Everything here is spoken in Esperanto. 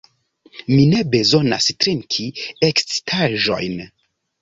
Mi ne bezonas trinki ekscitaĵojn.